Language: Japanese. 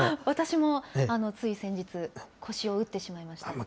私も、つい先日、腰を打ってしまいました。